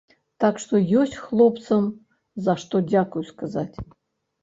Так што ёсць хлопцам, за што дзякуй сказаць.